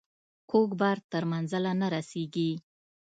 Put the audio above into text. کوږ بار تر منزله نه رسیږي.